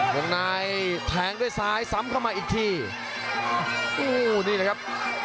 คุณนายแถงด้วยซ้ายสำเข้ามาอีกทีทุกคู่นี่แหละครับ